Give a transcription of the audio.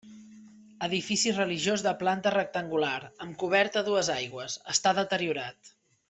Edifici religiós de planta rectangular amb coberta a dues aigües, està deteriorat.